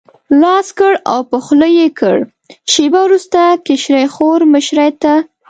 لاس کړ او په خوله یې کړ، شېبه وروسته کشرې خور مشرې ته.